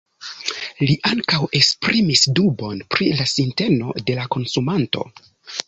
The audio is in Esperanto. Li ankaŭ esprimis dubon pri la sinteno de la konsumanto.